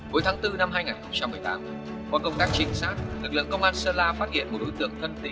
cuối tháng bốn năm hai nghìn một mươi tám qua công tác trinh sát lực lượng công an sơn la phát hiện một đối tượng thân tỷ